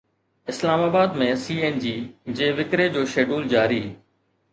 اسلام آباد ۾ C N G جي وڪري جو شيڊول جاري